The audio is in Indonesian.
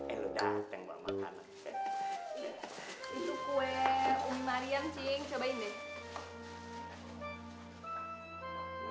itu kue umi marian cing cobain deh